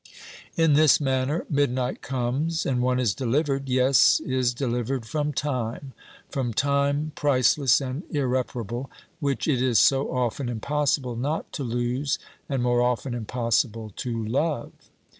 In this manner midnight comes, and one is delivered — yes, is delivered from time, from time priceless and irreparable, which it is so often impossible not to lose and more often impossible to love.